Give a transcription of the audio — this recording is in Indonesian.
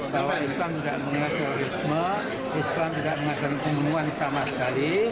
bahwa islam tidak mengajar rizme islam tidak mengajar kemuliaan sama sekali